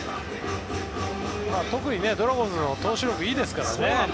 特にドラゴンズは投手力がいいですから。